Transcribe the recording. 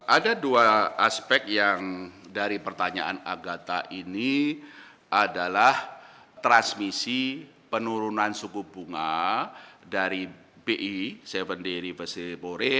ada dua aspek yang dari pertanyaan agata ini adalah transmisi penurunan suku bunga dari bi